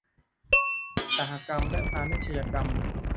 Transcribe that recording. อุตสาหกรรมและพาณิชยกรรม